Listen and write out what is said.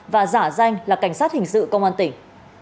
và giả danh là cảnh sát hình sự công an tỉnh